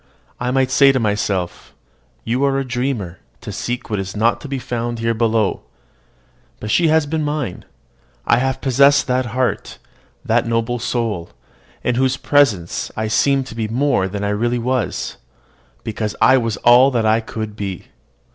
I might say to myself, "You are a dreamer to seek what is not to be found here below." But she has been mine. I have possessed that heart, that noble soul, in whose presence I seemed to be more than I really was, because I was all that I could be.